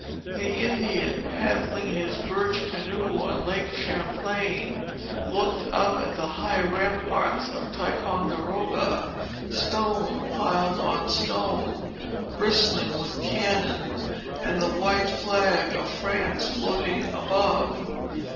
The Indian, paddling his birch canoe on Lake Champlain, looked up at the high ramparts of Ticonderoga, stone piled on stone, bristling with cannon, and the white flag of France floating above.